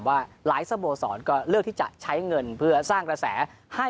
ว่าหลายสโมสรก็เลือกที่จะใช้เงินเพื่อสร้างกระแสให้